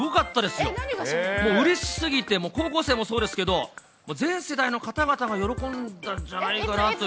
もううれしすぎて、高校生もそうですけど、全世代の方々が喜んだんじゃないかなと。